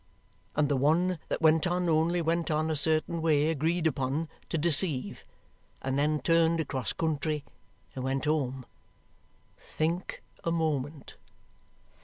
And the one that went on only went on a certain way agreed upon to deceive and then turned across country and went home. Think a moment!"